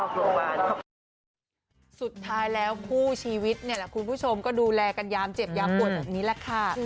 ครูปุ้มแล้วก็ครูชนละทีทางทางแล้วก็ขอบคุณค่ะ